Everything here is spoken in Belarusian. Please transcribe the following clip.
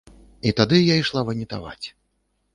І тады я ішла ванітаваць.